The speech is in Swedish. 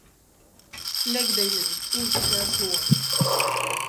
Lägg dig nu, inte skall jag slå mer.